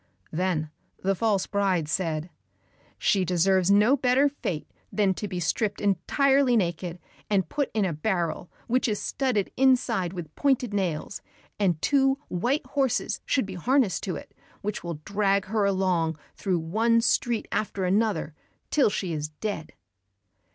Then the false bride said, "She deserves no better fate than to be stripped entirely naked, and put in a barrel which is studded inside with pointed nails, and two white horses should be harnessed to it, which will drag her along through one street after another, till she is dead."